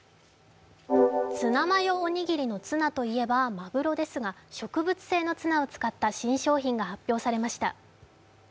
ツナマヨおにぎりのツナといえばまぐろですが植物性のツナを使った新商品が発表されました。